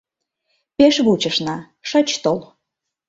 Пеш вучышна, шыч тол.